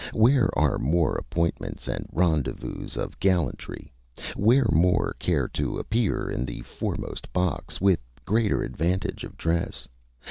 Where are more appointments and rendezvouses of gallantry? Where more care to appear in the foremost box, with greater advantage of dress?